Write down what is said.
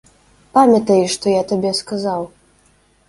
Памятай, што я табе сказаў.